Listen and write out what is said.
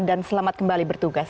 dan selamat kembali berkumpul